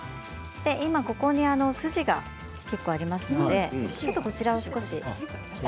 今、筋が結構ありますのでこちらを少し。